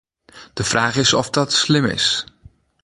De fraach is oft dat slim is.